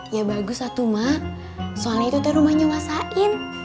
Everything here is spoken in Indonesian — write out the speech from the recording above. ya bagus satu mak soalnya itu tuh rumahnya masain